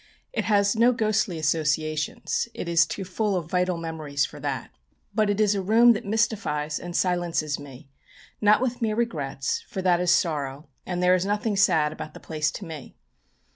It has no ghostly associations, it is too full of vital memories for that; but it is a room that mystifies and silences me, not with mere regrets, for that is sorrow, and there is nothing sad about the place to me.